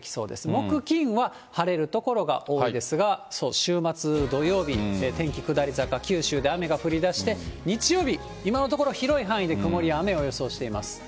木、金は晴れる所が多いですが、週末、土曜日、天気下り坂、九州で雨が降りだして、日曜日、今のところ広い範囲で曇りや雨を予想しています。